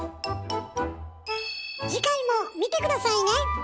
次回も見て下さいね！